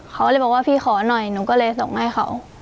เขาเลยบอกว่าพี่ขอหน่อยหนูก็เลยส่งให้เขา